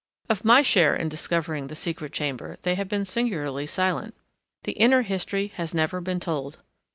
Of my share in discovering the secret chamber they have been singularly silent. The inner history has never been told.